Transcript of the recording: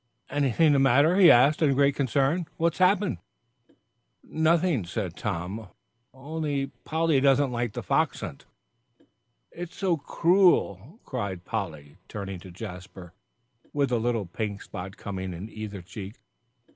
"Anything the matter?" he asked in great concern. "What's happened?" "Nothing," said Tom, "only Polly doesn't like the fox hunt." "It's so cruel," cried Polly, turning to Jasper, with a little pink spot coming in either cheek.